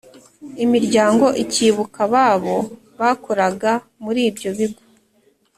imiryango ikibuka ababo bakoraga muri ibyo bigo